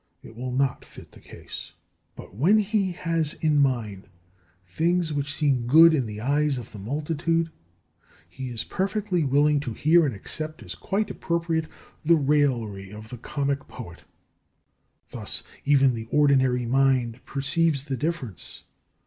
It will not fit the case. But when he has in mind things which seem good in the eyes of the multitude, he is perfectly willing to hear and accept as quite appropriate the raillery of the comic poet. Thus even the ordinary mind perceives the difference.